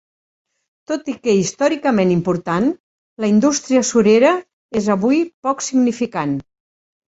Tot i que històricament important, la indústria surera és avui poc significant.